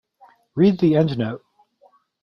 Read the endnote.